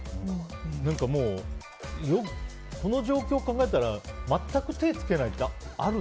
何かもうこの状況考えたら全く手つけないってあるの？